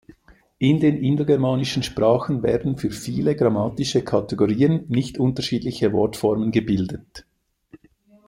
In den indogermanischen Sprachen werden für viele grammatische Kategorien nicht unterschiedliche Wortformen gebildet.